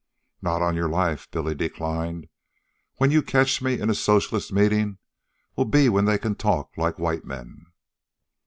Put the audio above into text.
"Not on your life," Billy declined. "When you catch me in a socialist meeting'll be when they can talk like white men."